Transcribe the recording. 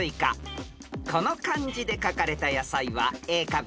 ［この漢字で書かれた野菜はＡかＢどっち？］